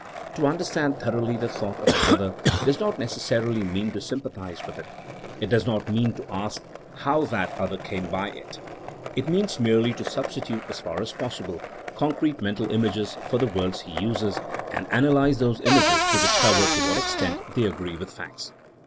To understand thoroughly the thought of another does not necessarily mean to sym pathize with it ; it does not mean to ask how that 164 THINKINO AS A 8CIEN0E other came by it. It means merely to substitute as far as possible concrete mental images for the words he uses, and analyze those images to discover to what extent they agree with facts.